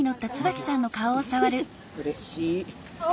うれしい。